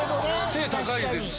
背高いですし。